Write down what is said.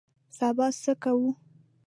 سبا څه کوو؟